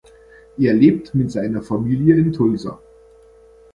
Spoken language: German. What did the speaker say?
Er lebt mit seiner Familie in Tulsa.